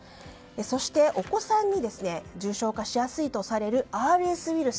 そしてお子さんに重症化しやすいとされるＲＳウイルス。